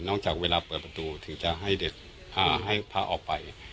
จากเวลาเปิดประตูถึงจะให้เด็กพาให้พระออกไป